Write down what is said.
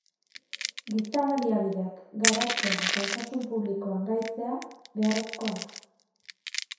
Giza baliabideak garatzea eta osasun publikoan gaitzea beharrezkoa da.